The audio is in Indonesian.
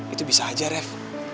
itu bisa aja ref